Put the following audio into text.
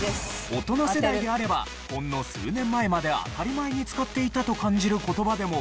大人世代であればほんの数年前まで当たり前に使っていたと感じる言葉でも。